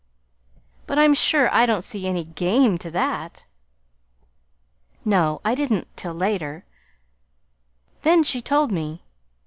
"But, I'm sure I don't see any GAME to that." "No, I didn't, till later. Then she told me.